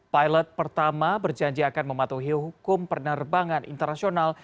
pilot pertama berjanji akan mematuhi hukum penerbangan internasional